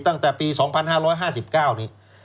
ตั้งแต่ปี๒๕๕๙นี่